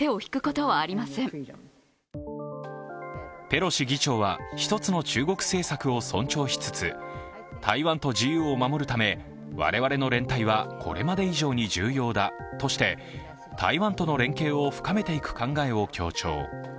ペロシ議長は、１つの中国政策を尊重しつつ、台湾と自由を守るため我々の連帯はこれまで以上に重要だとして、台湾との連携を深めていく考えを強調。